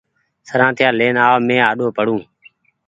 سرآتييآ لين آو مينٚ آڏو پڙون